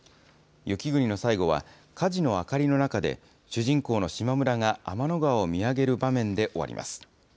雪国の最後は、火事の明かりの中で、主人公の島村が、天の河を見上げる場面で終わります。